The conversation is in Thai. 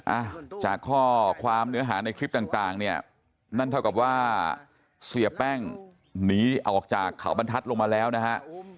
อ่ะจากข้อความเนื้อหาในคลิปต่างเนี่ยนั่นเท่ากับว่าเสียแป้งหนีออกจากเขาบรรทัศน์ลงมาแล้วนะฮะ